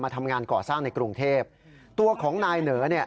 ทำงานก่อสร้างในกรุงเทพตัวของนายเหนอเนี่ย